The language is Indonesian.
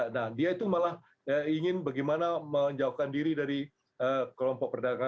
nah dia itu malah ingin bagaimana menjauhkan diri dari kelompok perdagangan